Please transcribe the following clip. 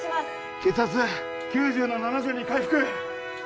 血圧９０の７０に回復